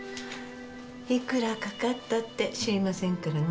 いくらかかったって知りませんからね。